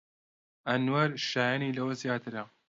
ئەنوەر شایەنی لەوە زیاترە.